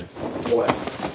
おい！